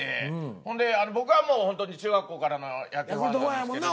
ほんで僕はもうほんとに中学校からの野球ファンなんですけども。